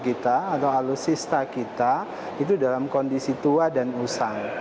kita atau alutsista kita itu dalam kondisi tua dan usang